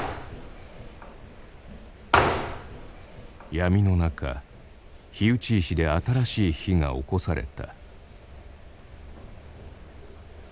闇の中火打ち石で新しい火がおこされた。